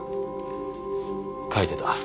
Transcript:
かいてた。